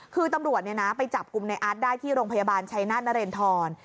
คือตำรวจไปจับกลุ่มในอาร์ตได้ที่โรงพยาบาลชัยนาธนเรนทร